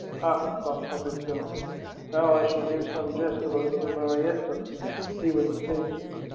" Ha !" thought Fabrizio, " now I shall hear some jest about little Marietta." He was mistaken.